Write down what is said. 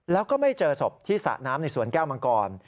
แล้วก็ไม่เจอศพที่สระน้ำในสวนแก้วมังกร